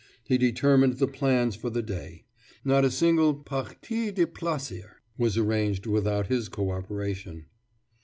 He determined the plans for the day. Not a single partie de plaisir was arranged without his co operation.